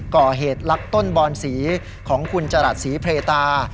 ก่อเหตุลักต้นบอนสีของคุณจรัสศรีเพรตา